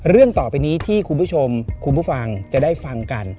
ต่อไปนี้ที่คุณผู้ชมคุณผู้ฟังจะได้ฟังกัน